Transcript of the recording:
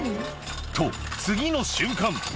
と、次の瞬間。